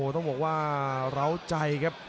ต้องบอกว่าร้าวใจครับ